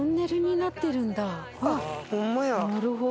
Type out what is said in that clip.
なるほど。